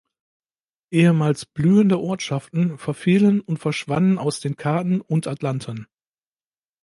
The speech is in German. Ehemals blühende Ortschaften verfielen und verschwanden aus den Karten und Atlanten.